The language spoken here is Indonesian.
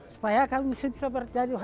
supaya kalau bisa jadi berhasil jadi juara